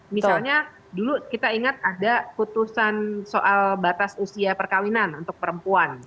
misalnya dulu kita ingat ada putusan soal batas usia perkawinan untuk perempuan